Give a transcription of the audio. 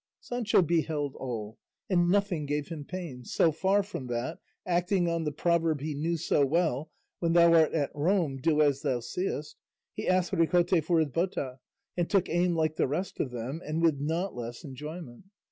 Sancho beheld all, "and nothing gave him pain;" so far from that, acting on the proverb he knew so well, "when thou art at Rome do as thou seest," he asked Ricote for his bota and took aim like the rest of them, and with not less enjoyment.